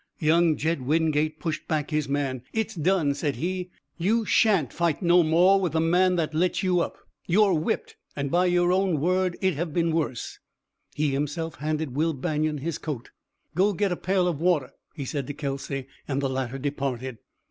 Young Jed Wingate pushed back his man. "It's done!" said he. "You shan't fight no more with the man that let you up. You're whipped, and by your own word it'd have been worse!" He himself handed Will Banion his coat. "Go get a pail of water," he said to Kelsey, and the latter departed.